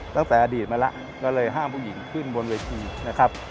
ตั้งแต่อดีตมาแล้วก็เลยห้ามผู้หญิงขึ้นบนเวทีนะครับ